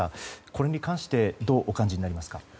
これに関してどうお感じになりますか？